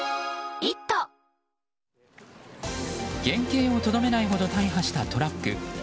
原形をとどめないほど大破したトラック。